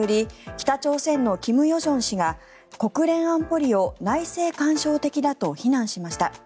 北朝鮮の金与正氏が国連安保理を内政干渉的だと非難しました。